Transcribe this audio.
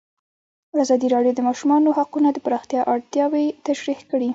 ازادي راډیو د د ماشومانو حقونه د پراختیا اړتیاوې تشریح کړي.